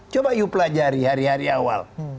coba you pelajari hari hari awal